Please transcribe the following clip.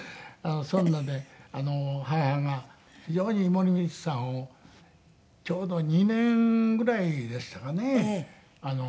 そんなんで母が非常に森光子さんをちょうど２年ぐらいでしたかね。